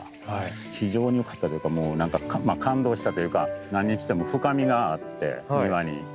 非常に良かったというかもう何か感動したというか何にしても深みがあって庭に。